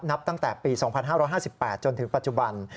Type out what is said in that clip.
นับตั้งแต่ปี๒๕๕๘จนถึงปัจจุบัน